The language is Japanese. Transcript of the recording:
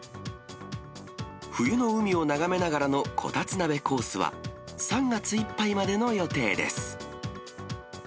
冬の海を眺めながらのこたつ鍋コースは、３月いっぱいまでの予定です。